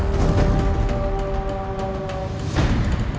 tidak ada yang bisa kita lakukan